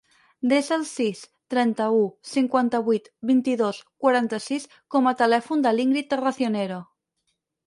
Desa el sis, trenta-u, cinquanta-vuit, vint-i-dos, quaranta-sis com a telèfon de l'Íngrid Racionero.